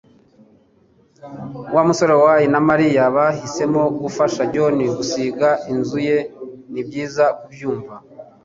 Wa musoreasi na Mariya bahisemo gufasha John gusiga inzu ye" "Nibyiza kubyumva"